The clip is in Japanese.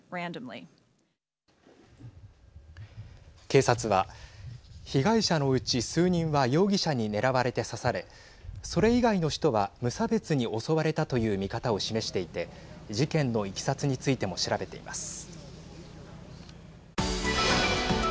警察は被害者のうち、数人は容疑者に狙われて刺されそれ以外の人は、無差別に襲われたという見方を示していて事件のいきさつについても調べています。